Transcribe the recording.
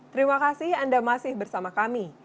terima kasih anda masih bersama kami